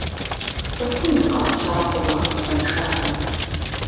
Цӏыхум дыкъалъагъумэ, сыт жаӏэн?